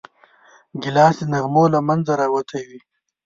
ګیلاس د نغمو له منځه راوتی وي.